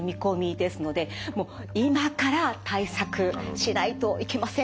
ですので今から対策しないといけません。